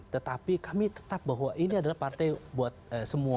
tetapi kami tetap bahwa ini adalah partai buat semua